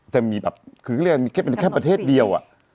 จะมีแบบคือเข้าแบบมีแค่ประเทศเดียว